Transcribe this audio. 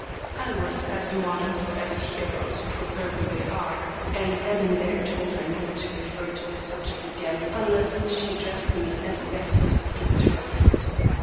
I was as modest as heroes proverbially are, and then and there told her never to refer to the subject again unless she addressed me as Bessie's betrothed.